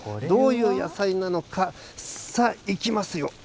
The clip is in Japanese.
どういう野菜なのか、さあ、いきますよ。